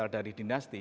berasal dari dinasti